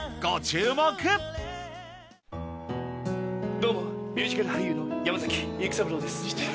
どうもミュージカル俳優の山崎育三郎です。